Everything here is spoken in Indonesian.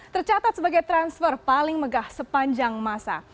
tercatat sebagai transfer paling megah sepanjang masa